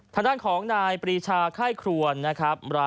ทางด้านของนายปรีชาไข้ครวนนะครับ